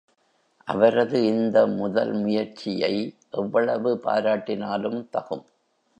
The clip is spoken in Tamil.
அவரது இந்த முதல் முயற்சியை எவ்வளவு பாராட்டினாலும் தகும்.